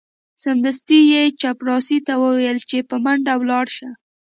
سمدستي یې چپړاسي ته وویل چې په منډه ولاړ شه.